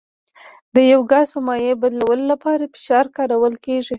د یو ګاز په مایع بدلولو لپاره فشار کارول کیږي.